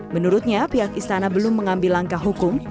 menurutnya pihak istana belum mengambil langkah hukum